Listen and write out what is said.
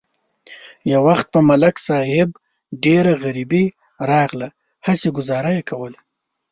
یو وخت په ملک صاحب ډېره غریبي راغله، هسې گذاره یې کوله.